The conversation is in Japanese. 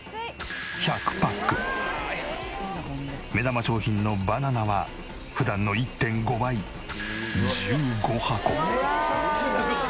目玉商品のバナナは普段の１．５倍１５箱！